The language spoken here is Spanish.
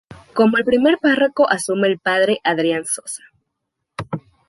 Como primer párroco asume el P. Adrián Sosa.